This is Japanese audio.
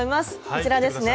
こちらですね。